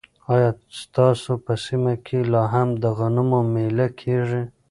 ایا ستاسو په سیمه کې لا هم د غنمو مېله کیږي؟